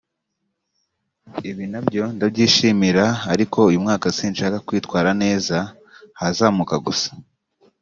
Ibyo nakoze ndabyishimira ariko uyu mwaka sinshaka kwitwara neza ahazamuka gusa